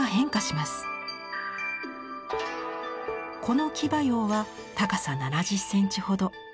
この騎馬俑は高さ７０センチほど。